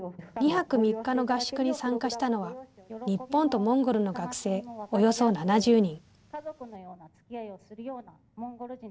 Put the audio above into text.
２泊３日の合宿に参加したのは日本とモンゴルの学生およそ７０人。